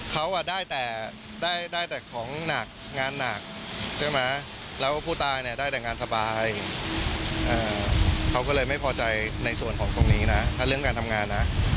เขาได้แต่ได้แต่ของหนักงานหนักใช่ไหมแล้วผู้ตายเนี่ยได้แต่งานสบายเขาก็เลยไม่พอใจในส่วนของตรงนี้นะถ้าเรื่องการทำงานนะ